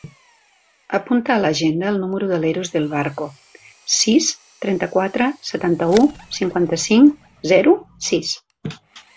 Apunta a l'agenda el número de l'Eros Del Barco: sis, trenta-quatre, setanta-u, cinquanta-cinc, zero, sis.